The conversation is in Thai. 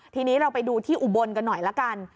ทีนี้เราไปดูที่อุบลกันหน่อยละกัน